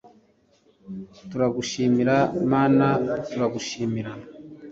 turagushimira, mana, turagushimira